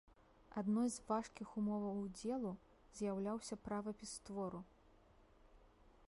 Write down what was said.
Адной з важкіх умоваў удзелу з'яўляўся правапіс твору.